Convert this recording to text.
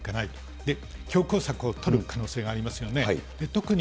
で、強行策を取る可能性がありますよね。